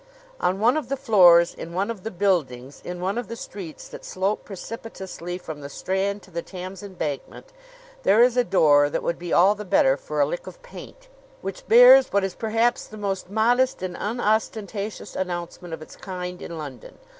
On one of the floors in one of the buildings in one of the streets that slope precipitously from the Strand to the Thames Embankment, there is a door that would be all the better for a lick of paint, which bears what is perhaps the most modest and unostentatious announcement of its kind in London.